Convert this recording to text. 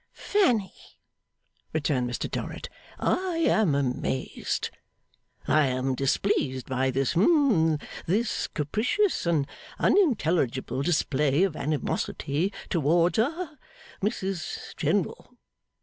'Fanny,' returned Mr Dorrit, 'I am amazed, I am displeased by this hum this capricious and unintelligible display of animosity towards ha Mrs General.